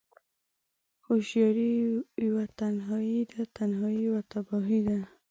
هوشیاری یوه تنهایی ده، تنهایی یوه تباهی ده